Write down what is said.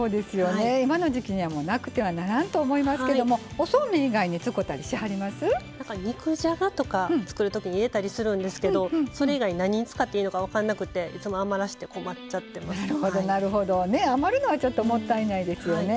今の時季にはなくてはならないと思いますけどおそうめん以外に肉じゃがとか作るときに入れたりするんですけどそれ以外、何に使っていいか分かんなくて、いつも余らせて余るのはもったいないですよね。